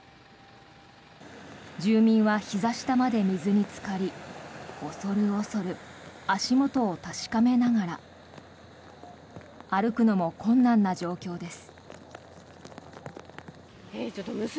住民はひざ下まで水につかり恐る恐る足元を確かめながら歩くのも困難な状況です。